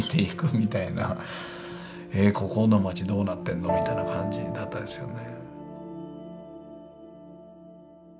えっここの町どうなってんのみたいな感じだったですよね。